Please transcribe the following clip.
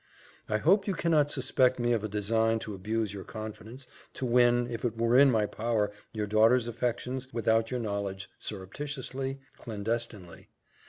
"I hope you cannot suspect me of a design to abuse your confidence, to win, if it were in my power, your daughter's affections, without your knowledge, surreptitiously, clandestinely.